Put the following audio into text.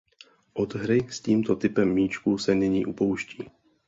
Od hry s tímto typem míčku se nyní upouští.